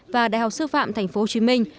và đại học sư phạm thành phố hồ chí minh